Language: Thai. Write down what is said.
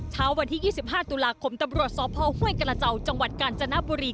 เช้าวันที่๒๕ตุลาคมตำรวจสพห้วยกระเจ้าจังหวัดกาญจนบุรี